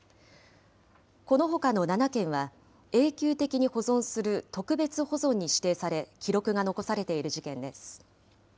このほかの７件は、永久的に保存する特別保存に指定され、記録が残されている事件です。